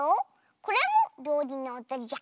これもりょうりのおとじゃ。